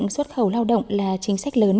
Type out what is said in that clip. xuất khẩu lao động là chính sách lớn